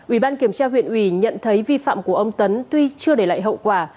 ủy ban kiểm tra huyện ủy nhận thấy vi phạm của ông tấn tuy chưa để lại hậu quả